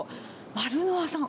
マルノワさん。